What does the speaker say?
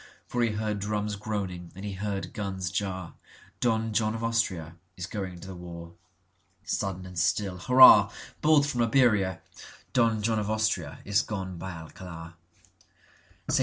For he heard drums groaning and he heard guns jar,(Don John of Austria is going to the war.)Sudden and still—hurrah! Bolt from Iberia! Don John of AustriaIs gone by Alcalar.St.